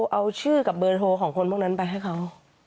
เอาชื่อกับเบอร์โทรของคนพวกนั้นไปให้เขา